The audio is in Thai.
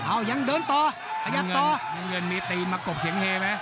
อ้าวยังเดินต่อยังมีตีมากบเสียงเฮไหม